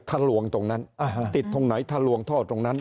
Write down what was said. ทะลวงตรงนั้น